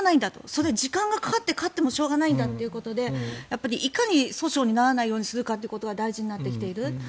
それは時間がかかって勝ってもしょうがないんだということでいかに訴訟にならないようにするかが大事になってきている。